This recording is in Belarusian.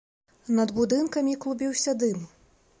Над будынкамі клубіўся дым.